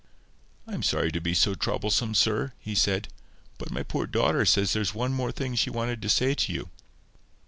"I am sorry to be so troublesome, sir," he said; "but my poor daughter says there is one thing more she wanted to say to you."